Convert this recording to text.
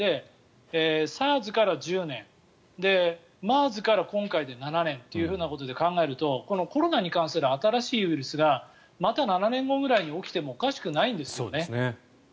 ＳＡＲＳから１０年ＭＥＲＳから今回で７年ということで考えるとこのコロナに関する新しいウイルスがまた７年後ぐらいに起きてもおかしくないんですよね。